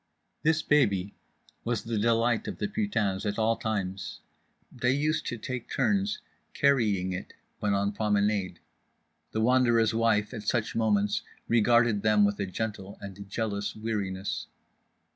This baby was the delight of the putains at all times. They used to take turns carrying it when on promenade. The Wanderer's wife, at such moments, regarded them with a gentle and jealous weariness.